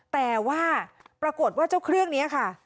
แต่ว่าปรากฏว่าเจ้าเครื่องนี้ค่ะ